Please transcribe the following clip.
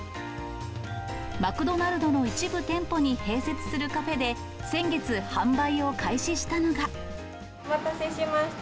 マクドナルドの一部店舗に併設するカフェで先月販売を開始したのお待たせしました。